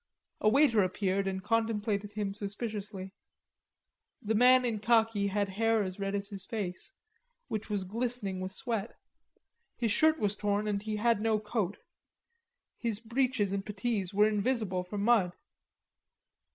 A waiter appeared and contemplated him suspiciously. The man in khaki had hair as red as his face, which was glistening with sweat. His shirt was torn, and he had no coat. His breeches and puttees were invisible for mud.